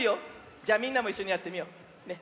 じゃみんなもいっしょにやってみよう。ね。